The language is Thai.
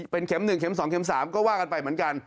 เป็น๑๒๓ก็ว่ากันไปเหมือนกัน